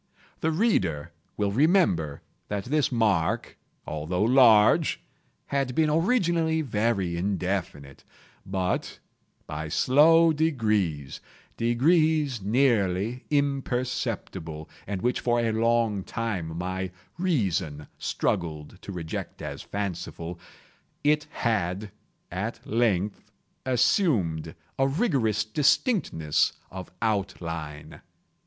The reader will remember that this mark, although large, had been originally very indefinite; but, by slow degrees—degrees nearly imperceptible, and which for a long time my reason struggled to reject as fanciful—it had, at length, assumed a rigorous distinctness of outline.